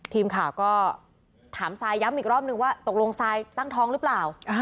ทีมข่าวก็ถามซายย้ำอีกรอบนึงว่าตกลงทรายตั้งท้องหรือเปล่า